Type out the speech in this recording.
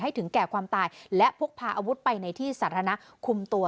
ถึงแก่ความตายและพกพาอาวุธไปในที่สาธารณะคุมตัว